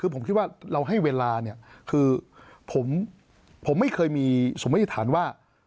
ผมคิดว่าเราให้เวลาคือผมไม่เคยมีสมธิฐานว่า